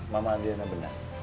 mama andriana benar